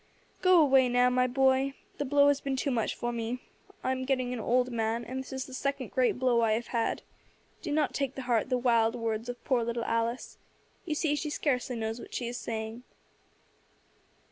"Go away now, my boy, the blow has been too much for me. I am getting an old man, and this is the second great blow I have had. Do not take to heart the wild words of poor little Alice. You see she scarcely knows what she is saying."